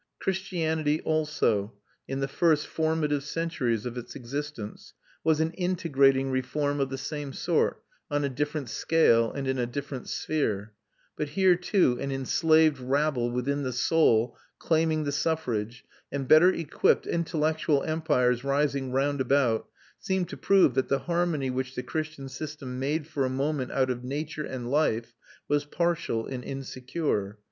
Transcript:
Christianity also, in the first formative centuries of its existence, was an integrating reform of the same sort, on a different scale and in a different sphere; but here too an enslaved rabble within the soul claiming the suffrage, and better equipped intellectual empires rising round about, seem to prove that the harmony which the Christian system made for a moment out of nature and life was partial and insecure.